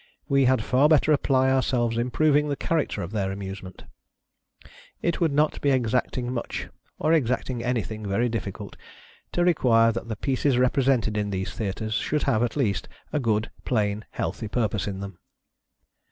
We had far better apply ourselves improving the character of their amuse ment. It would not be exacting much, or exacting any THE AMUSEMENTS OF THE PEOPLE. 173 thing very difiBcult, to require that the pieces represented in these Theatres should have, at least, a good, plain, healthy purpose in them.